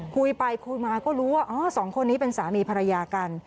คุยไปคุยมาก็รู้ว่าอ๋อสองคนนี้เป็นสามีภรรยากัน